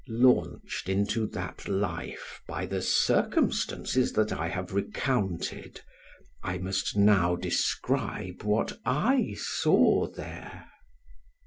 Launched into that life by the circumstances that I have recounted, I must now describe what I saw there.